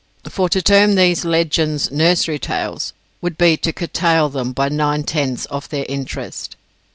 For to term these legends, Nursery Tales, would be to curtail them, by nine tenths, of their interest.